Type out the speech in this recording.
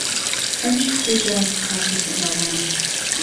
ئەویش سێ جار هاتووەتە داوام